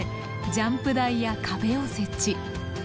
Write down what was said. ジャンプ台や壁を設置。